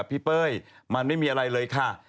กับพี่เป้ยมันไม่มีอะไรเลยค่ะ